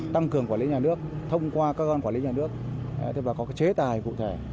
tăng cường quản lý nhà nước thông qua cơ quan quản lý nhà nước và có chế tài cụ thể